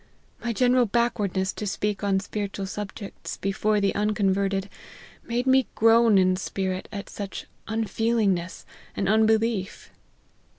My general backwardness to speak on spiritual subjects before the unconverted, made me groan in spirit at such unfeelingness and unbe lief.